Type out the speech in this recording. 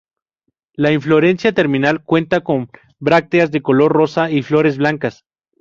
La inflorescencia terminal cuenta con brácteas de color rosa y flores blancas.